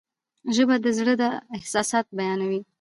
ژبه د زړه احساسات بیانوي.